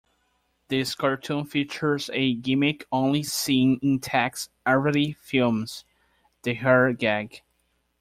This cartoon features a gimmick only seen in Tex Avery films, the "hair gag".